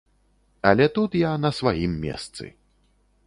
Але тут я на сваім месцы.